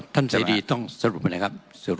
ท่านเศรษฐีต้องสรุปไหมครับ